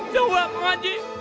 jauh bang aji